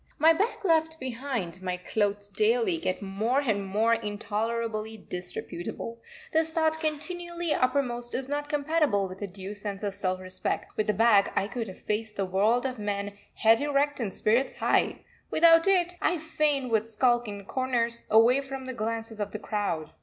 My bag left behind, my clothes daily get more and more intolerably disreputable, this thought continually uppermost is not compatible with a due sense of self respect. With the bag I could have faced the world of men head erect and spirits high; without it, I fain would skulk in corners, away from the glances of the crowd.